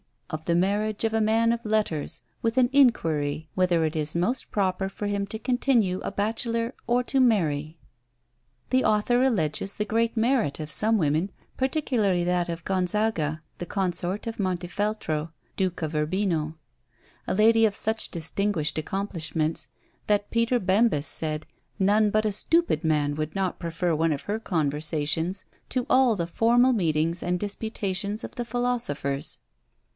of the Marriage of a Man of Letters, with an inquiry whether it is most proper for him to continue a bachelor, or to marry? The author alleges the great merit of some women; particularly that of Gonzaga the consort of Montefeltro, Duke of Urbino; a lady of such distinguished accomplishments, that Peter Bembus said, none but a stupid man would not prefer one of her conversations to all the formal meetings and disputations of the philosophers.